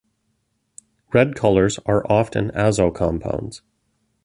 Red colors are often azo compounds.